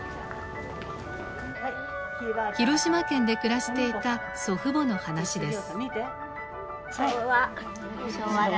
広島県で暮らしていた祖父母の話です。